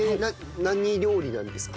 何料理なんですか？